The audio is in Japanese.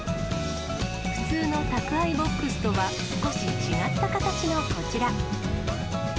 普通の宅配ボックスとは、少し違った形のこちら。